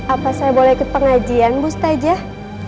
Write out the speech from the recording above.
apa saya boleh ikut pengajian bu stajah